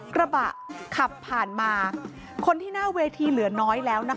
กระบะขับผ่านมาคนที่หน้าเวทีเหลือน้อยแล้วนะคะ